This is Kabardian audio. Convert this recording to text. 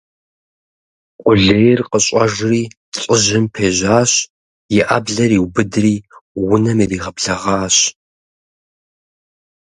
Къулейр къыщӀэжри лӀыжьым пежэжьащ, и Ӏэблэр иубыдри унэм иригъэблэгъащ.